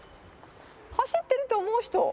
走ってるって思う人？